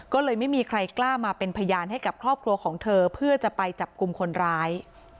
ก็เลยไม่มีใครกล้ามาเป็นพยานให้กับครอบครัวของเธอเพื่อจะไปจับกลุ่มคนร้าย